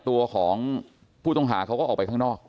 ตัวของผู้ต้องหาเขาก็ออกไปข้างนอก